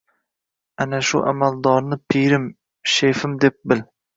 Ana shu amaldorni pirim — shefim, deb bil.